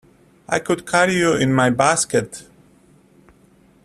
I could carry you in my basket.